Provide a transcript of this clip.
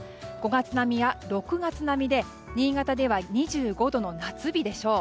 ５月並みや６月並みで新潟では２５度の夏日でしょう。